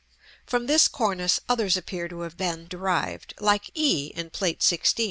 From this cornice others appear to have been derived, like e in Plate XVI.